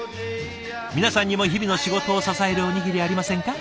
皆さんにも日々の仕事を支えるおにぎりありませんか？